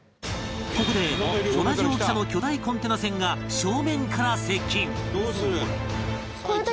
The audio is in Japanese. ここで同じ大きさの巨大コンテナ船が正面から接近